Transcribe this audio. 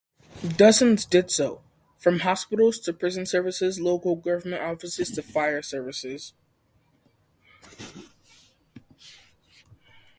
Dozens did so, from hospitals to prison services, local government offices to fire services.